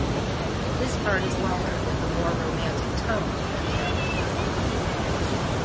This part is longer with a more romantic tone than the other.